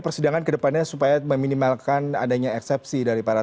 persidangan ke depannya supaya meminimalkan adanya eksepsi dari para